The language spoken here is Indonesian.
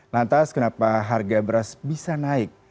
lantas kenapa harga beras bisa naik